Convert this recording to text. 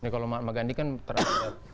kalau mahatma gandhi kan terhadap